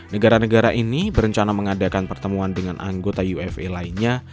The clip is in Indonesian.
negara negara ini berencana mengadakan pertemuan dengan anggota ufa lainnya